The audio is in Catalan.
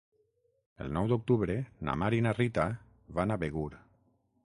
El nou d'octubre na Mar i na Rita van a Begur.